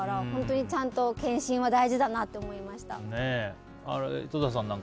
本当にちゃんと検診は大事だなと思いました。